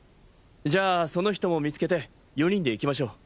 じゃあその人も見つけて４人で行きましょう！